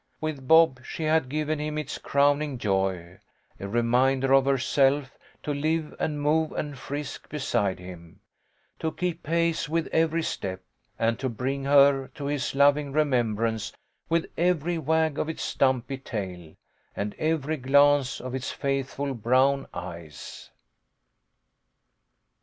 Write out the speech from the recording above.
With Bob she had given him its crowning joy, a reminder of herself, to live and move and frisk beside him ; to keep pace with every step, and to bring her to his loving remembrance with every wag of its stumpy tail, and every glance of its faithful brown eyes.